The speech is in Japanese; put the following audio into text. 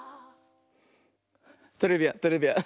トレビアントレビアン。